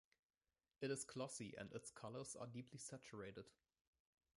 It is glossy and its colors are deeply saturated.